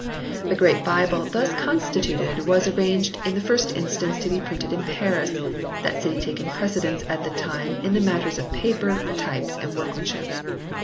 The Great Bible thus constituted was arranged in the first instance to be printed in Paris, that city taking precedence at that time in the matters of paper, types and workmanship.